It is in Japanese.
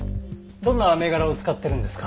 どんな銘柄を使ってるんですか？